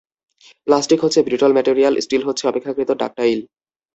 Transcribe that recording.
Plastic হচ্ছে brittle material, steel হচ্ছে অপেক্ষাকৃত ডাকটাইল।